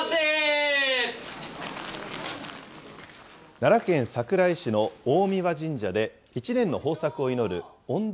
奈良県桜井市の大神神社で、１年の豊作を祈るおんだ